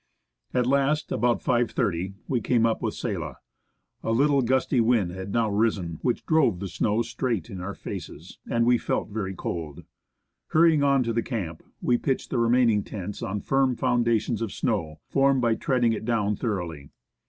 At last, about 5.30, we came up with Sella. A little gusty wind had now risen, which drove the snow straight in our faces, and we felt very cold. Hurrying on to the camp, we pitched the remaining tents on firm foundations of snow, formed by treading it down thoroughly.